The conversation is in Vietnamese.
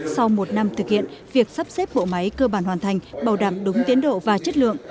sau một năm thực hiện việc sắp xếp bộ máy cơ bản hoàn thành bảo đảm đúng tiến độ và chất lượng